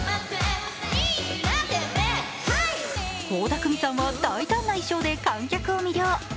倖田來未さんは大胆な衣装で観客を魅了。